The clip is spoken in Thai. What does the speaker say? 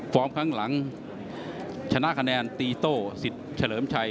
ครั้งหลังชนะคะแนนตีโต้สิทธิ์เฉลิมชัย